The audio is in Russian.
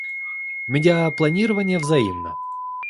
Медиапланирование взаимно.